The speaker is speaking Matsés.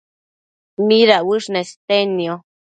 midauësh nestednio?